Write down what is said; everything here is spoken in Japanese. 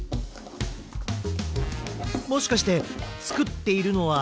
もしかしてつくっているのは。